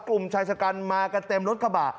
กลุ่มชายชะกันมากันเต็มรถกระบะ